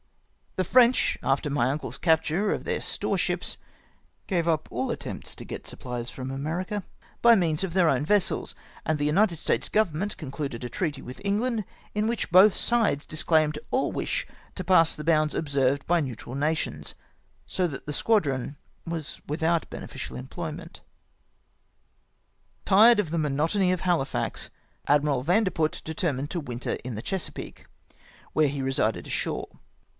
The French, after my uncle's capture of their store ships, gave up all attempts to get supphes from America by means of their own vessels ; and the United States Government concluded a treaty "with England, in which both sides disclaimed all "wish to pass the bounds observed by neutral nations, so that the squadron was without beneficial employment. Thed of the monotony of Hahfax, Admiral Vandeput determnied to winter in the Chesapeake, where he resided ashore.